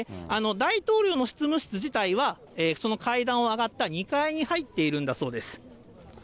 大統領の執務室自体は、その階段を上がった２階に入っているんだそうです。